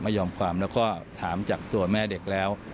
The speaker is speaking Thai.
แล้วก็ถามจากตัวแม่เด็กแล้ว